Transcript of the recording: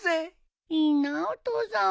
いいなあお父さんは。